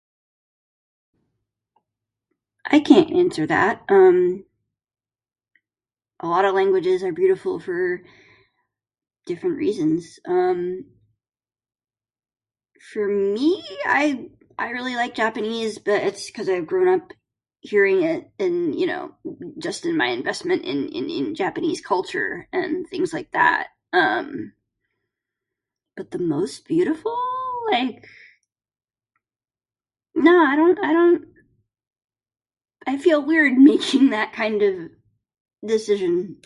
I can't answer that, um...a lot of languages are beautiful for different reasons, um...For me, I, I really like Japanese, because I've grown up hearing it, and, you know, just in my investment in, in Japanese culture and things like that, um...But the most beautiful? I...no, I don't, I don't...I feel weird making that kind of decision.